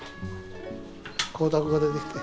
光沢が出てきて。